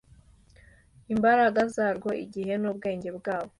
Imbaraga zarwo, igihe n’ubwenge bwabo